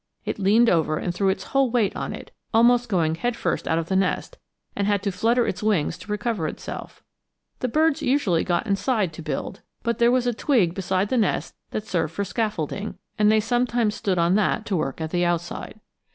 It leaned over and threw its whole weight on it, almost going head first out of the nest, and had to flutter its wings to recover itself. The birds usually got inside to build, but there was a twig beside the nest that served for scaffolding, and they sometimes stood on that to work at the outside.